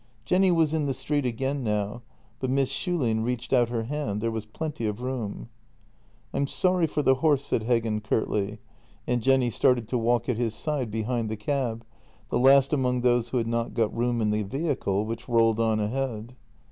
Jenny was in the street again now, but Miss Schulin reached out her hand — there was plenty of room. " I'm sorry for the horse," said Heggen curtly, and Jenny started to walk at his side behind the cab, the last among those who had not got room in the vehicle, which rolled on ahead.